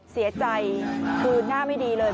เสียใจคือหน้าไม่ดีเลย